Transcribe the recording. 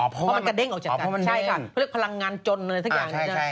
อ๋อเพราะว่ามันเกด้งออกจากกันใช่ค่ะเขาเรียกว่าพลังงานจนอะไรทั้งอย่างนี้นะ